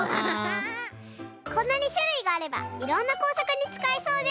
こんなにしゅるいがあればいろんなこうさくにつかえそうです！